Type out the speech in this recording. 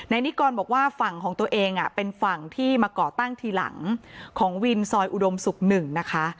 นิกรบอกว่าฝั่งของตัวเองเป็นฝั่งที่มาก่อตั้งทีหลังของวินซอยอุดมศุกร์๑นะคะ